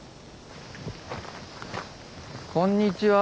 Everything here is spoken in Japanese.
こんにちは。